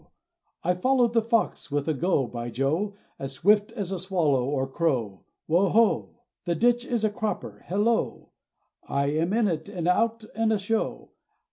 I followed the fox, with a go, by Joe! As swift as a swallow, or crow, Wo ho! The ditch, is a cropper, hello! I am in it! and out, and a show!